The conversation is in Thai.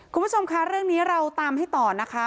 คุณผู้ชมคะเรื่องนี้เราตามให้ต่อนะคะ